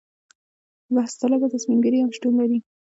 بحث طلبه تصمیم ګیري هم شتون لري.